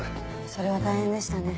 それは大変でしたね。